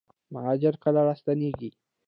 مهاجر کله راستنیږي؟